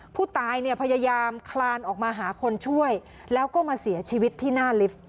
ผู้ตายเนี่ยพยายามคลานออกมาหาคนช่วยแล้วก็มาเสียชีวิตที่หน้าลิฟต์